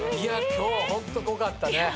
今日はホント濃かったね。